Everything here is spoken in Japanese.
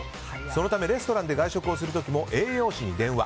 そのためレストランで外食をする時も栄養士に電話。